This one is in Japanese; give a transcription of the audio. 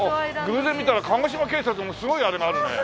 偶然見たら鹿児島警察のすごいあれがあるね。